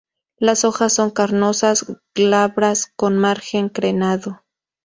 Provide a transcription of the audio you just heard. Las hojas son carnosas, glabras, con margen crenado.